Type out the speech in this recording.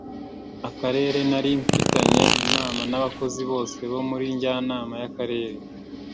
Akarere nari mfitanye inama nabakozi bose bo muri njyanama yakarere